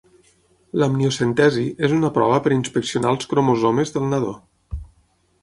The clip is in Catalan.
L'amniocentesi és una prova per inspeccionar els cromosomes del nadó.